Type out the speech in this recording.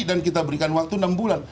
dan kita berikan waktu enam bulan